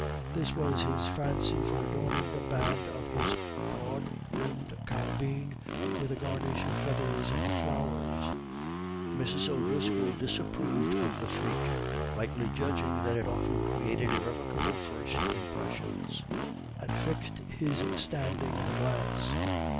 This was his fancy for adorning the band of his broad brimmed caubeen with a garnish of feathers and flowers. Mrs. O'Driscoll disapproved of the freak, rightly judging that it often created irrevocable first impressions, and fixed his standing at a glance.